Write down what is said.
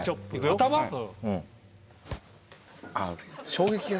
衝撃が。